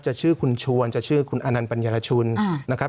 จะชื่อคุณชวนจะชื่อคุณอนันต์ปัญญารชุนนะครับ